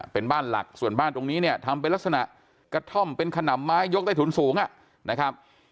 เป็นบ้านหลักส่วนบ้านตรงนี้เนี่ยทำเป็นลักษณะกระท่อมเป็นขนำไม้ยกใต้ถุนสูงนะครับ